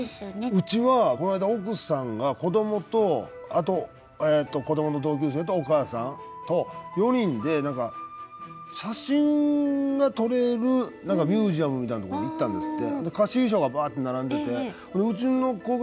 うちはこないだ奥さんが子どもとあと子どもの同級生とお母さんと４人で写真が撮れるミュージアムみたいな所に行ったんですって。